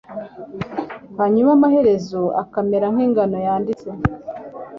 hanyuma amaherezo akamera nk'ingano yanditse